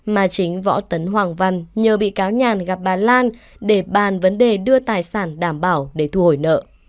mà chính võ tấn hoàng văn nhờ bị cáo nhàn gặp bà lan để bàn vấn đề đưa tài sản đảm bảo để thu hồi nợ